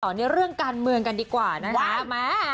ในเรื่องการเมืองกันดีกว่านะคะ